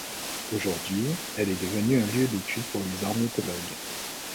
Aujourd'hui, elle est devenue un lieu d'étude pour les ornithologues.